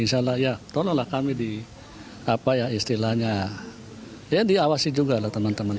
insya allah ya tolonglah kami di apa ya istilahnya ya diawasi juga lah teman teman